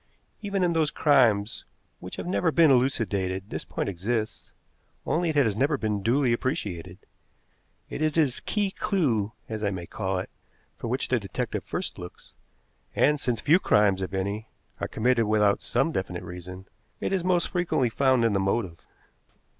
Even in those crimes which have never been elucidated this point exists, only it has never been duly appreciated. It is this key clew, as I may call it, for which the detective first looks, and, since few crimes, if any, are committed without some definite reason, it is most frequently found in the motive.